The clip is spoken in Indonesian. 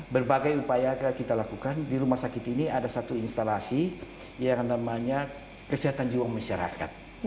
berbagai upaya kita lakukan di rumah sakit ini ada satu instalasi yang namanya kesehatan jiwa masyarakat